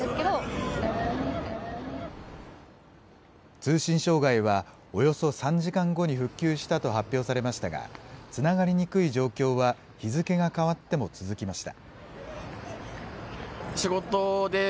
通信障害は、およそ３時間後に復旧したと発表されましたが、つながりにくい状況は、日付が変わっても続きました。